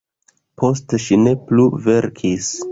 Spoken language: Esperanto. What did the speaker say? Poste ŝi ne plu verkis.